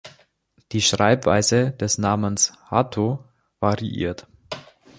Die Schreibweise des Namens Hatto variiert.